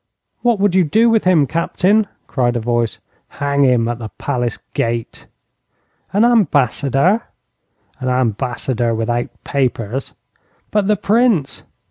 'What would you do with him, captain?' cried a voice. 'Hang him at the palace gate.' 'An ambassador?' 'An ambassador without papers.' 'But the Prince?'